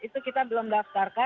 itu kita belum daftarkan